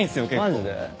マジで？